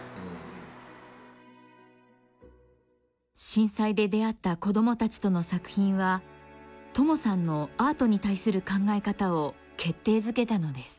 震災で出会った子どもたちとの作品はともさんのアートに対する考え方を決定づけたのです。